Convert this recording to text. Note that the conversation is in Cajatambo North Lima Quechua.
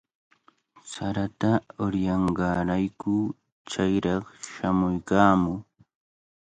Sarata uryanqaarayku chayraq shamuykaamuu.